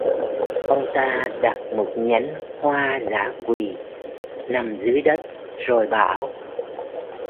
Ông ta đặt một nhánh Hoa Dã Quỳ nằm dưới đất rồi bảo